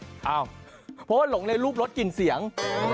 เพราะว่าหลงเลยรูปรถกลิ่นเสียง